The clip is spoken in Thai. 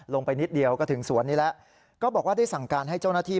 ลงไปนิดเดียวก็ถึงสวนนี้แล้วก็บอกว่าได้สั่งการให้เจ้าหน้าที่